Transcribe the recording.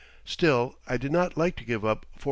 Still, I did not like to give up $450,000.